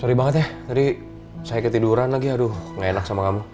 seri banget ya tadi saya ketiduran lagi aduh gak enak sama kamu